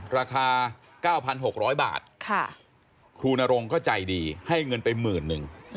ราคา๙๖๐๐บาทครูนรงก็ใจดีให้เงินไปหมื่นหนึ่ง